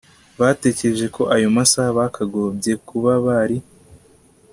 batekereje ko ayo masaha bakagobye kuba bari